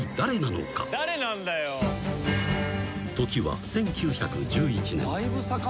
［時は１９１１年］